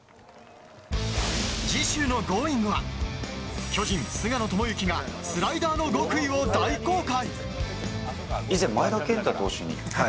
次週の「Ｇｏｉｎｇ！」は巨人、菅野智之がスライダーの極意を大公開。